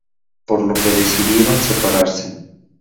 Por lo que decidieron separarse.